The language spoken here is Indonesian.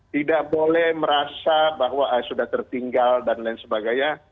tidak boleh merasa bahwa sudah tertinggal dan lain sebagainya